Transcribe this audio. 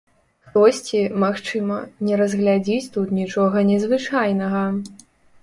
Хтосьці, магчыма, не разглядзіць тут нічога незвычайнага.